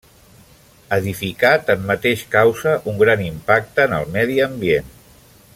Edificar tanmateix causa un gran impacte en el medi ambient.